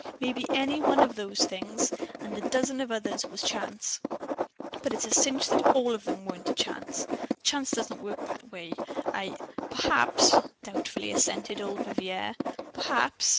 Maybe any one of those things and of a dozen others was chance. But it's a cinch that ALL of them weren't chance. Chance doesn't work that way. I " "Perhaps," doubtfully assented old Vivier, "perhaps.